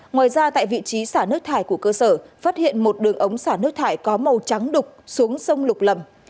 ngoài ra tại vị trí xả nước thải của cơ sở phát hiện một đường ống xả nước thải có màu trắng đục xuống sông lục lầm